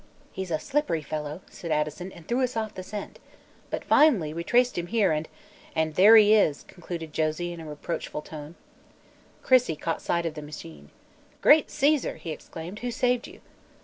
"He's a slippery fellow," said Addison, "and threw us off the scent. But finally we traced him here and " "And there he is," concluded Josie in a reproachful tone. Crissey caught sight of the machine. "Great Caesar!" he exclaimed, "who saved you?"